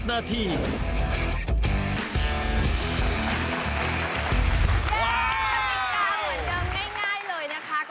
เย่แจกต่ออีกเก้าเหมือนเดิมง่ายเลยนะคะ